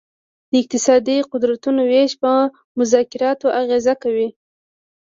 د اقتصادي قدرتونو ویش په مذاکراتو اغیزه کوي